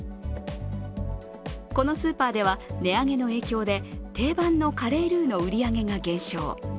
このスーパーでは値上げの影響で定番のカレールーの売り上げが減少。